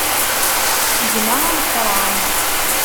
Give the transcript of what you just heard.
Gma ameqqran.